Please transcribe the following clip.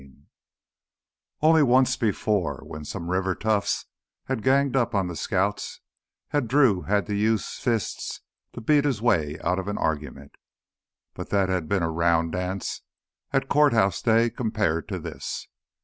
8 Only once before, when some river toughs had ganged up on the scouts, had Drew had to use fists to beat his way out of an argument. But that had been a round dance at Court House Day compared to this.